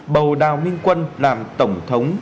bầu đào minh quân làm tổng thống